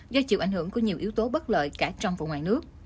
do chịu ảnh hưởng của nhiều yếu tố bất lợi cả trong và ngoài nước